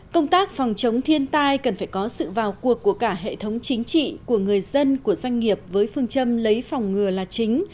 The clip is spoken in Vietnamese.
công tác phòng chống thiên tai cần phải có sự vào cuộc của cả hệ thống chính trị của người dân của doanh nghiệp với phương châm lấy phòng ngừa là chính